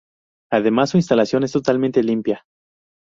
Además su instalación es totalmente limpia.